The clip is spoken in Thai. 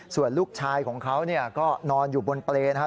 ส่วนลูกชายของเขาก็นอนอยู่บนเปรย์นะครับ